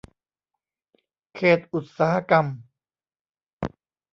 เขตอุตสาหกรรม